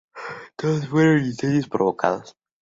Todos fueron incendios provocados.